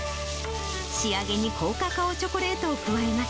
仕上げに高カカオチョコレートを加えます。